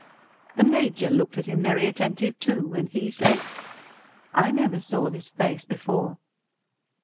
The Major looked at him very attentive too, and he says "I never saw this face before."